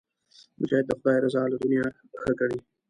مجاهد د خدای رضا له دنیا ښه ګڼي.